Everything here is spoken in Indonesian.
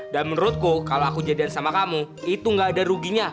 dan menurutku kalo aku jadian sama kamu itu gak ada ruginya